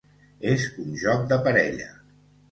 És un joc de parella.